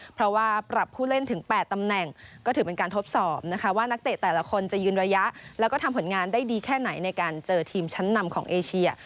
เพราะว่าปรับผู้เล่นถึง๘ตำแหน่งก็ถือเป็นการทดสอบนะคะว่านักเตะแต่ละคนจะยืนระยะแล้วก็ทำผลงานได้ดีแค่ไหนในการเจอทีมชั้นนำของเอเชีย